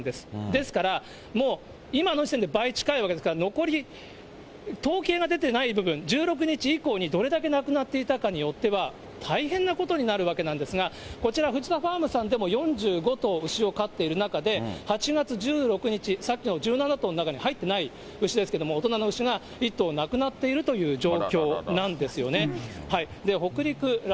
ですからもう、今の時点で倍近いわけですから、残り、統計が出てない部分、１６日以降にどれだけ亡くなっていたかによっては、大変なことになるわけなんですが、こちら、フジタファームさんでも４５頭、牛を飼っている中で、８月１６日、さっきの１７頭の中に入ってない牛ですけども、大人の牛が１頭亡くなっているという状況なんですよね。